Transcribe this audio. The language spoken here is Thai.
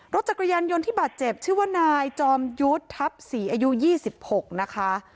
รถจักรยานยนต์ที่บาดเจ็บชื่อว่านายจอมยุทธับสี่อายุยี่สิบหกนะคะ